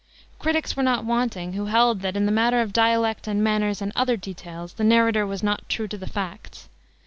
Critics were not wanting who held that, in the matter of dialect and manners and other details, the narrator was not true to the facts.